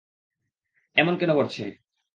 এমন কেন করছে?